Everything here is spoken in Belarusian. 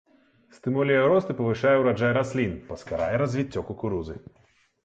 Стымулюе рост і павышае ўраджай раслін, паскарае развіццё кукурузы.